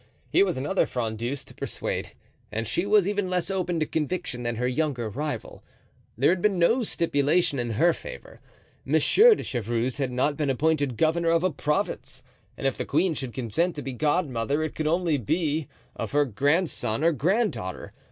Here was another frondeuse to persuade, and she was even less open to conviction than her younger rival. There had been no stipulation in her favor. Monsieur de Chevreuse had not been appointed governor of a province, and if the queen should consent to be godmother it could be only of her grandson or granddaughter.